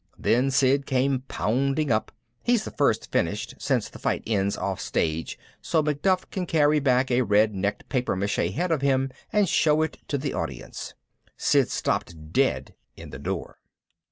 Then Sid came pounding up. He's the first finished, since the fight ends offstage so Macduff can carry back a red necked papier mache head of him and show it to the audience. Sid stopped dead in the door.